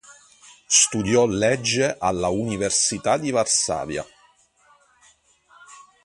Studiò legge alla Università di Varsavia.